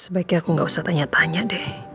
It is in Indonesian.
sebaiknya aku gak usah tanya tanya deh